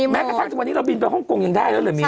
แม้กระทั่งทุกวันนี้เราบินไปฮ่องกงยังได้แล้วเลยมี